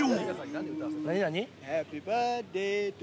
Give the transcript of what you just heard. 何、何？